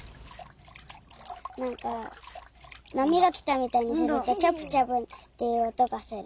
なんかなみがきたみたいにするとチャプチャプっていうおとがする。